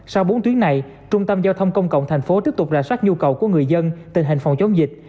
sau bốn tuyến này trung tâm giao thông công cộng thành phố tiếp tục rà soát nhu cầu của người dân tình hình phòng chống dịch